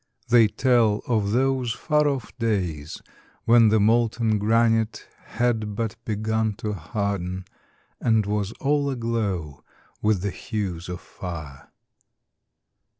They tell of those far off days when the molten granite had but begun to harden, and was all aglow with the hues of fire.